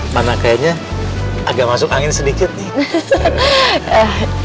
karena kayaknya agak masuk angin sedikit nih